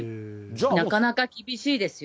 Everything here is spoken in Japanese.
なかなか厳しいですよ。